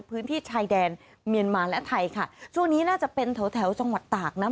พื้นที่ชายแดนเมียนมาและไทยค่ะช่วงนี้น่าจะเป็นแถวแถวจังหวัดตากนะ